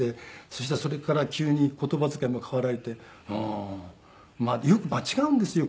そしたらそれから急に言葉遣いも変わられて「うーん。よく間違うんですよ